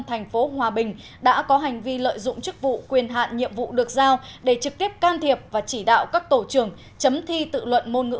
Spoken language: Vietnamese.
thành phố hòa bình đã có hành vi lợi dụng chức vụ quyền hạn nhiệm vụ được giao để trực tiếp can thiệp và chỉ đạo các tổ trưởng chấm thi tự luận môn ngữ